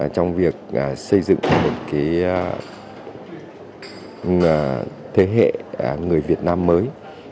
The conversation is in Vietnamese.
trong việc xây dựng một thế hệ người việt nam mới